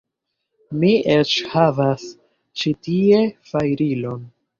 Mi eĉ havas ĉi tie fajrilon